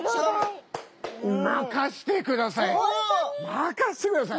任してください！